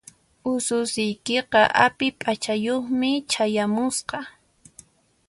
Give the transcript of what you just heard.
Ususiykiqa api p'achayuqmi chayamusqa.